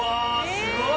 すごい！